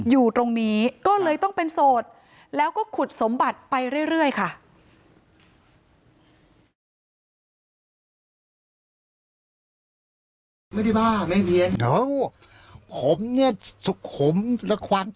อยู่ตรงนี้ก็เลยต้องเป็นโสดแล้วก็ขุดสมบัติไปเรื่อยค่ะ